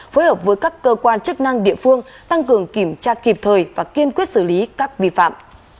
phối hợp với các cơ quan chức năng địa phương tăng cường kiểm tra kịp thời và kiên quyết xử lý các vi phạm